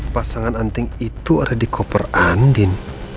pasangan anting itu ada di koper andin